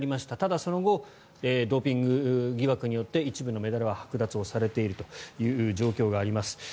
ただ、その後ドーピング疑惑によって一部のメダルははく奪をされているという状況があります。